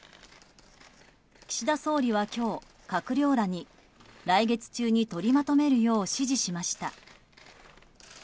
岸田総理は今日、閣僚らに来月中に取りまとめるよう指示しました。